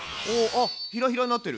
あっひらひらになってる。